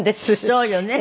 そうよね。